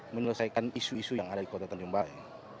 menyelesaikan isu isu yang ada di kota tanjung balai